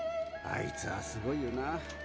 あいつはすごいよな。